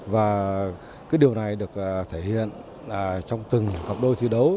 và cái điều này được thể hiện trong từng cộng đôi thi đấu